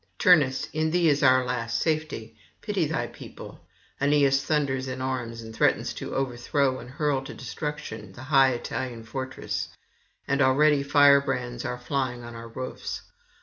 'Turnus, in thee is our last safety; pity thy people. Aeneas thunders in arms, and threatens to overthrow and hurl to destruction the high Italian fortress; and already firebrands are flying on our roofs.